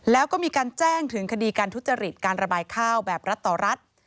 แล้วก็มีการแจ้งถึงคดีการทุจริตการระบายข้าวแบบรัฐต่อรัฐ